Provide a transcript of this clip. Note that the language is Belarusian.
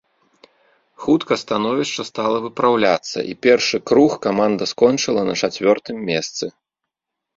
Хутка становішча стала выпраўляцца, і першы круг каманда скончыла на чацвёртым месцы.